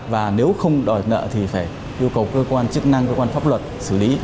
và nếu không đòi nợ thì phải yêu cầu cơ quan chức năng cơ quan pháp luật xử lý